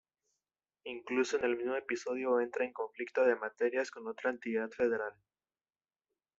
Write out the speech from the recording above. Incluso en el mismo episodio entra en conflicto de materias con otra entidad federal.